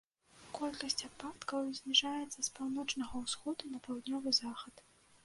Колькасць ападкаў зніжаецца з паўночнага ўсходу на паўднёвы захад.